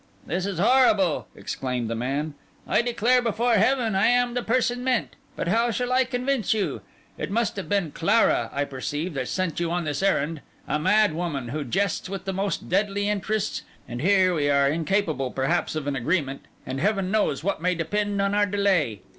'This is horrible!' exclaimed the man. 'I declare before Heaven I am the person meant, but how shall I convince you? It must have been Clara, I perceive, that sent you on this errand—a madwoman, who jests with the most deadly interests; and here we are incapable, perhaps, of an agreement, and Heaven knows what may depend on our delay!